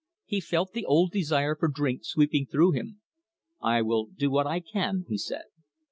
He felt the old desire for drink sweeping through him. "I will do what I can," he said.